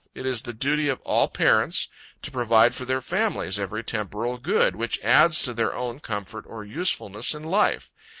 It is the duty of all parents, to provide for their families every temporal good which adds to their own comfort or usefulness in life.